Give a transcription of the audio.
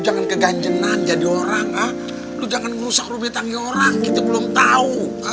jangan keganjangan jadi orang ah lu jangan ngerusak rubitannya orang kita belum tahu